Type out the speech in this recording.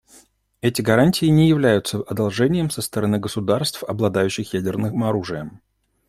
Эти гарантии не являются одолжением со стороны государств, обладающих ядерным оружием.